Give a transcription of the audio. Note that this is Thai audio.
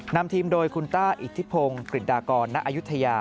นำทีมโดยคุณต้าอิทธิพงศ์กฤษฎากรณอายุทยา